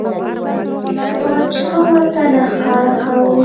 باچا ورته نه ښکاره کاوه.